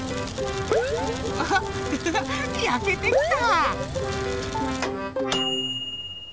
フフやけてきた。